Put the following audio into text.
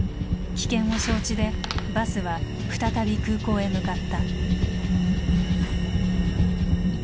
危険を承知でバスは再び空港へ向かった。